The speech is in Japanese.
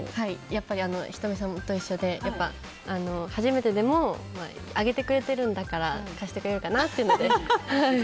やっぱり仁美さんと一緒で初めてでも上げてくれてるんだから貸してくれるかなっていうので。